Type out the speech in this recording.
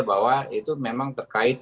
bahwa itu memang terkait